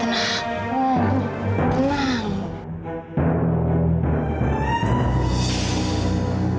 yang sepupu banget